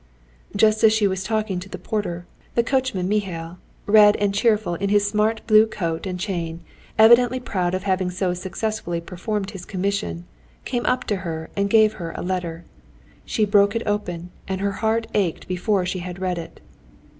Just as she was talking to the porter, the coachman Mihail, red and cheerful in his smart blue coat and chain, evidently proud of having so successfully performed his commission, came up to her and gave her a letter. She broke it open, and her heart ached before she had read it.